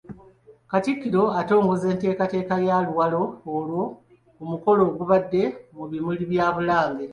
Katikkiro atongozza enteekateeka ya ‘Luwalo lwo’ ku mukolo ogubadde mu bimuli bya Bulange.